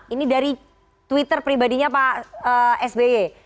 ini dari twitter pribadinya pak sby